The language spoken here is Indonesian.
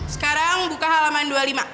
sekarang buka halaman dua puluh lima